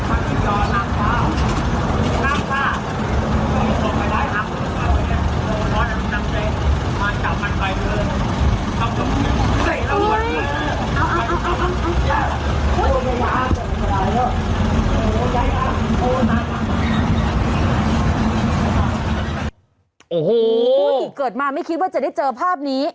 โอ้โหเกิดมาไม่คิดว่าจะได้เจอภาพนี้